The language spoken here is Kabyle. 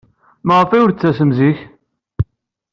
Maɣef ur d-tettasem zik?